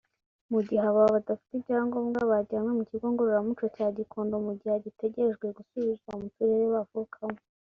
mu gihe aba badafite ibyangombwa bajyanywe ku kigo ngororamuco cya Gikondo mu gihe hagitegerejwe gusubizwa mu turere bavukamo